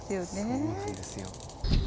そうなんですよ。